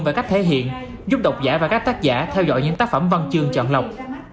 về cách thể hiện giúp độc giả và các tác giả theo dõi những tác phẩm văn chương chọn lọc